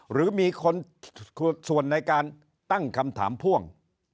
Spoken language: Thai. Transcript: หรือมีคนส่วนในการตั้งคำถามพ่วง